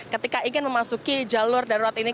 ketika ingin memasuki jalur darurat ini